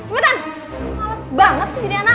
males banget sih jadi anak